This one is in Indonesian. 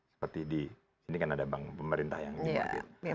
seperti di ini kan ada bank pemerintah yang ini market